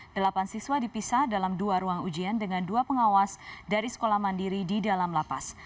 delapan siswa dipisah dalam dua ruang ujian dengan dua pengawas dari sekolah mandiri di dalam lapas